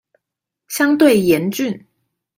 相對嚴峻